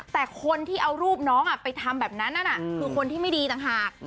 แต่คนที่เอารูปน้องไปทำแบบนั้นนั่นคือคนที่ไม่ดีต่างหาก